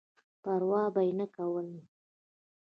پر وا به یې نه کولای.